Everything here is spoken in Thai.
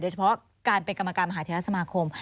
เฉพาะการเป็นกรรมการมหาเทรสมาคม